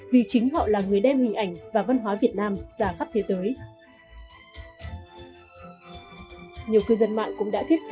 vì chính họ là người đem hình ảnh và văn hóa việt nam ra khắp thế giới